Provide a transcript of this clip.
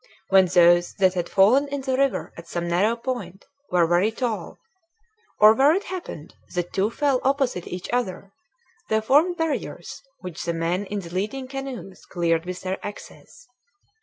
When those that had fallen in the river at some narrow point were very tall, or where it happened that two fell opposite each other, they formed barriers which the men in the leading canoes cleared with their axes.